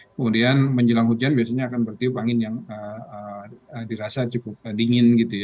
kemudian menjelang hujan biasanya akan bertiup angin yang dirasa cukup dingin gitu ya